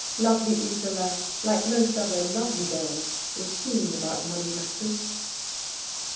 Lovely Isola, like most other lovely girls, was keen about money matters.